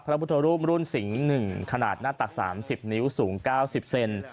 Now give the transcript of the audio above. พระพุทธรูปรุ้นสิงเนอะหนึ่งขนาดหน้าตักสามสิบนิ้วสูงเก้าสิบเซน